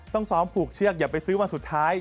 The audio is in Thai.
ต้องซ้อมผูกเชือกอย่าไปซื้อวันสุดท้าย